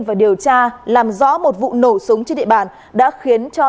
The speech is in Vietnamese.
và điều tra làm rõ một vụ nổ súng trên địa bàn đã khiến cho